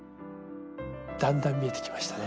だんだん見えてきましたね。